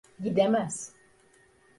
Gidemez.